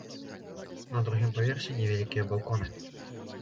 На другім паверсе невялікія балконы.